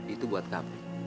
itu buat kamu